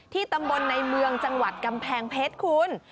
ตำบลในเมืองจังหวัดกำแพงเพชรคุณ